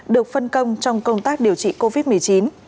được phân công trong công tác điều trị covid một mươi chín